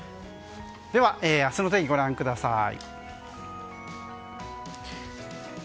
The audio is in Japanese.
では明日の天気ご覧ください。